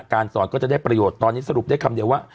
การสอนก็จะได้ประโยชน์ตอนนี้สรุปได้คำเดียวว่า